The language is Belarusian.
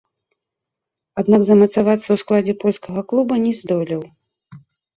Аднак замацавацца ў складзе польскага клуба не здолеў.